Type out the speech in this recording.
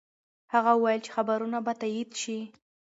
هغه وویل چې خبرونه به تایید شي.